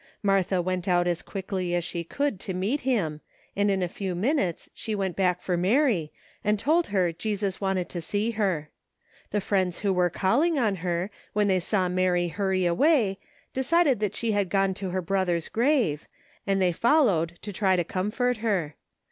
Martha went out as quickly as she could to meet him, and in a few minutes she went back for Mary and told her Jesus wanted to see her. The friends who were calling on her, when they saw Mary hurry away, decided that she had gone to her brother's grave, and they followed to try to comfort her.